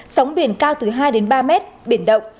sóng biển cao từ hai đến ba mét biển động